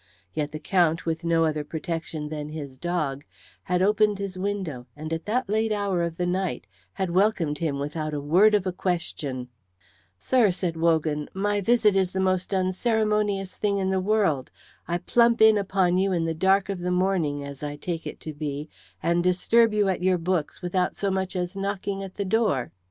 Yet the Count, with no other protection than his dog, had opened his window, and at that late hour of the night had welcomed him without a word of a question. "Sir," said Wogan, "my visit is the most unceremonious thing in the world. I plump in upon you in the dark of the morning, as I take it to be, and disturb you at your books without so much as knocking at the door."